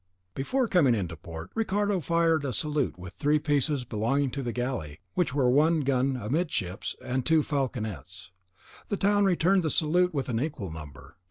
Before coming into port, Ricardo fired a salute with the three pieces belonging to the galley, which were one gun amidships, and two falconets; the town returned the salute with an equal number.